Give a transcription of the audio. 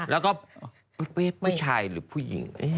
แล้วก็ผู้ชายหรือผู้หญิง